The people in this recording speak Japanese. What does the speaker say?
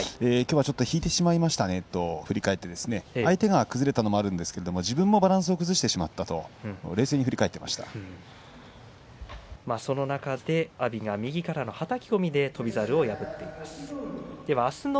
きょうはちょっと引いてしまいましたねと振り返って相手が崩れたのもあるんですけども自分がバランスを崩してしまったとその中で阿炎が右からのはたき込みで翔猿を破っています。